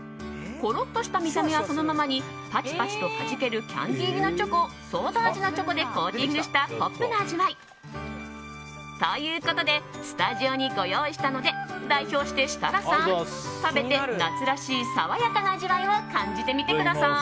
ぽろっとした見た目はそのままにパチパチとはじけるキャンディー入りのチョコをソーダ味のチョコでコーティングしたポップな味わい。ということでスタジオにご用意したので代表して設楽さん、食べて夏らしい爽やかな味わいを感じてみてください。